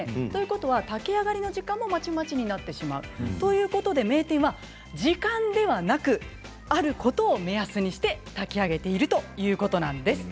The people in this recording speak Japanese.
炊き上がりの時間もまちまちになってしまうということで名店は時間ではなくあることを目安に炊きあげているということです。